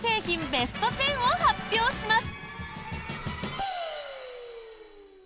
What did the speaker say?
ベスト１０を発表します。